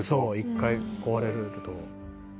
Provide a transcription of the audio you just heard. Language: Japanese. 一回壊れると」